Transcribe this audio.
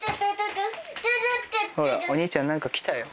お兄ちゃん何か来たよ。